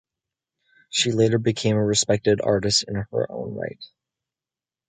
She later became a respected artist in her own right.